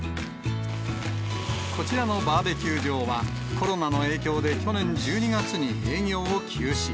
こちらのバーベキュー場は、コロナの影響で去年１２月に営業を休止。